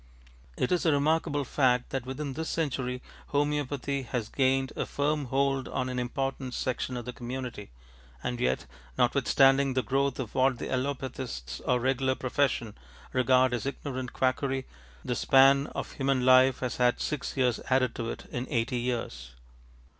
It is a remarkable fact that within this century hom┼ōopathy has gained a firm hold on an important section of the community, and yet, notwithstanding the growth of what the allopathists or regular profession regard as ignorant quackery, the span of human life has had six years added to it in eighty years.